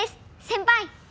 先輩！